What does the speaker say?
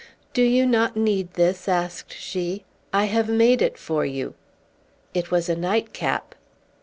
"Do not you need this?" asked she. "I have made it for you." It was a nightcap!